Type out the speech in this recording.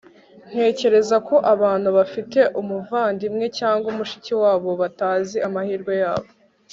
ntekereza ko abantu bafite umuvandimwe cyangwa mushiki wabo batazi amahirwe yabo